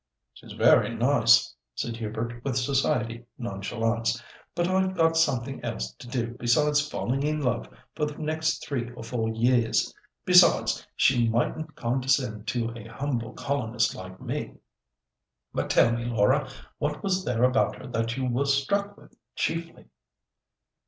"She's very nice," said Hubert, with society nonchalance; "but I've got something else to do besides falling in love for the next three or four years. Besides, she mightn't condescend to a humble colonist like me. But tell me, Laura, what was there about her that you were struck with chiefly?"